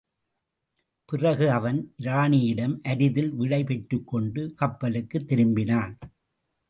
பிறகு அவன், இராணியிடம் அரிதில் விடை பெற்றுக்கொண்டு கப்பலுக்குத் திரும்பினான்.